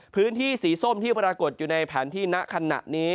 พื้นที่สีส้มที่ประกอร์ตอยู่ในพันที่นาภาคัณะนี้